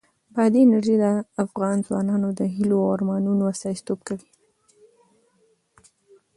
بادي انرژي د افغان ځوانانو د هیلو او ارمانونو استازیتوب کوي.